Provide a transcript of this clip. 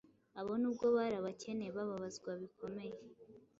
abo nubwo bari abakene, bababazwa bikomeye,